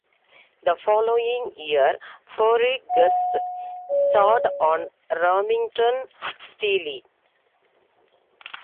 The following year, Furey guest starred on "Remington Steele".